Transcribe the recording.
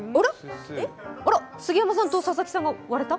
あらっ、杉山さんと佐々木さん、割れた？